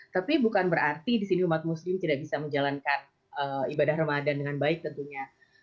tapi bukan berarti di sini umat muslim tidak bisa menjalankan ibadah ramadan dengan baik tentunya